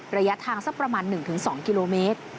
ระยะทางสักประมาณ๑๒กิโลเมตร